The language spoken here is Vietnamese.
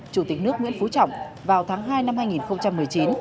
chủ tịch nước nguyễn phú trọng vào tháng hai năm hai nghìn một mươi chín